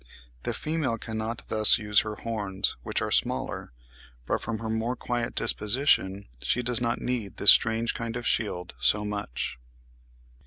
The female cannot thus use her horns, which are smaller, but from her more quiet disposition she does not need this strange kind of shield so much.